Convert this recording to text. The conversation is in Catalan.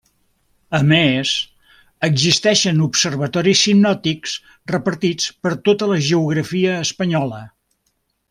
A més, existeixen observatoris sinòptics repartits per tota la geografia espanyola.